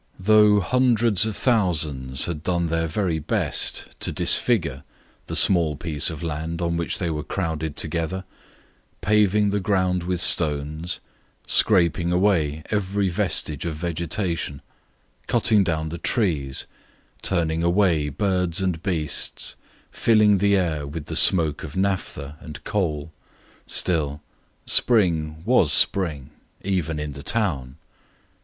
Though hundreds of thousands had done their very best to disfigure the small piece of land on which they were crowded together, by paving the ground with stones, scraping away every vestige of vegetation, cutting down the trees, turning away birds and beasts, and filling the air with the smoke of naphtha and coal, still spring was spring, even in the town.